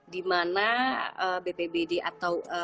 di mana bpbd atau